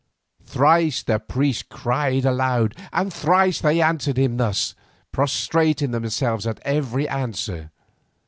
Thrice the priest cried aloud, and thrice they answered him thus, prostrating themselves at every answer.